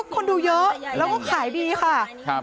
คนดูเยอะแล้วก็ขายดีค่ะ